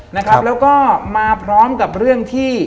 นะครับแล้วก็มาพร้อมกับเรื่องที่